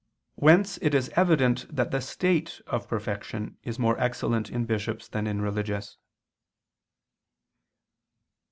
Whence it is evident that the state of perfection is more excellent in bishops than in religious.